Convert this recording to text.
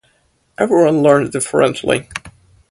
Everyone learns differently.